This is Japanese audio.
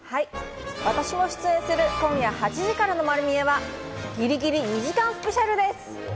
私も出演する今夜８時からの『まる見え！』はギリギリ２時間スペシャルです。